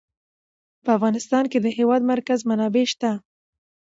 په افغانستان کې د د هېواد مرکز منابع شته.